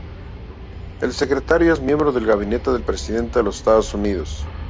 El Secretario es miembro del Gabinete del Presidente de los Estados Unidos.